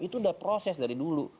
itu sudah proses dari dulu